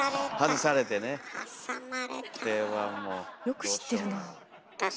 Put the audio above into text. よく知ってるなあ。